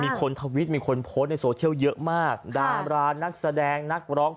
มีคนทวิทช์มีคนโพสต์ในโซเชียลเยอะมากค่ะดารานนักแสดงนักร้อง